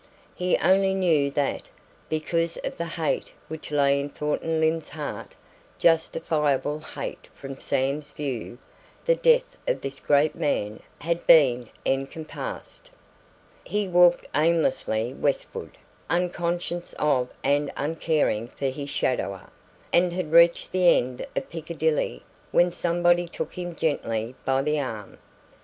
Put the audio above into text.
He only knew that, because of the hate which lay in Thornton Lyne's heart, justifiable hate from Sam's view, the death of this great man had been encompassed. He walked aimlessly westward, unconscious of and uncaring for his shadower, and had reached the end of Piccadilly when somebody took him gently by the arm.